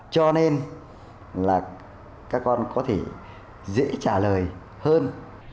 cho nên là các con có thể dễ trả lời hơn